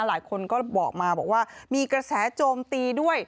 หลายคนก็บอกมาบอกว่ามีกระแสโจมตีด้วย